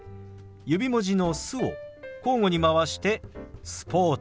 指文字の「す」を交互に回して「スポーツ」。